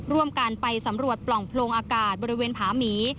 ร่วมกันไปสำรวจปล่องโพรงอากาศบริเวณผาหมี